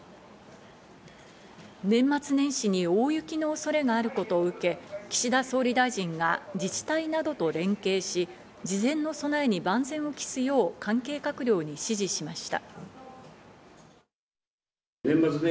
年末年始に大雪の恐れがあることを受け、岸田総理大臣が自治体などと連携し、事前の備えに万全を期すよう関係閣僚に指示しました。